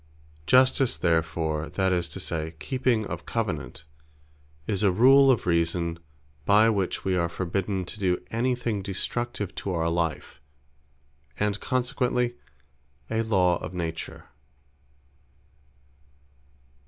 Justice therefore, that is to say, Keeping of Covenant, is a Rule of Reason, by which we are forbidden to do any thing destructive to our life; and consequently a Law of Nature.